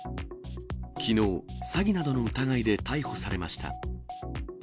きのう、詐欺などの疑いで逮捕されました。